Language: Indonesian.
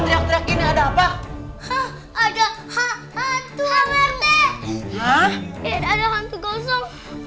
tetapi tidak lihat ituitor goksong